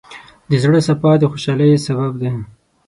د زړۀ صفا د خوشحالۍ سبب دی.